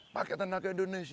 pakai tenaga indonesia